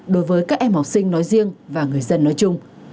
đối với các em học sinh nói riêng và người dân nói chung